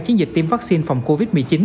chiến dịch tiêm vaccine phòng covid một mươi chín